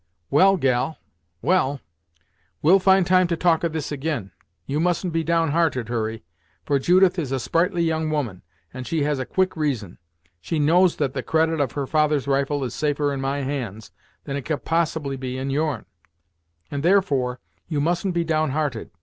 "Well, gal, well; we'll find time to talk of this ag'in. You mustn't be down hearted, Hurry, for Judith is a sprightly young woman, and she has a quick reason; she knows that the credit of her father's rifle is safer in my hands, than it can possibly be in yourn; and, therefore, you mustn't be down hearted.